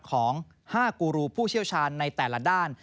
ของ๕กูรูผู้เชี่ยวชาญในแต่ละด้าน